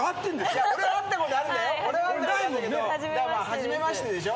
初めましてでしょ。